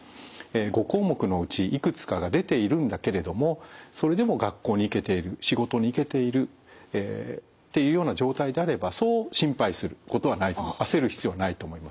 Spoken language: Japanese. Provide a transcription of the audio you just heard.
５項目のうちいくつかが出ているんだけれどもそれでも学校に行けている仕事に行けているっていうような状態であればそう心配することはない焦る必要はないと思います。